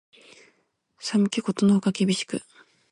寒気ことのほか厳しく